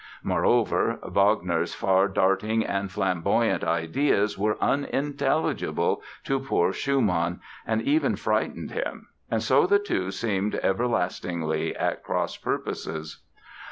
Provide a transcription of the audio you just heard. Moreover, Wagner's far darting and flamboyant ideas were unintelligible to poor Schumann and even frightened him. And so the two seemed everlastingly at cross purposes.